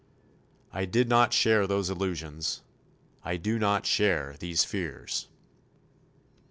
I did not share those illusions. I do not share these fears.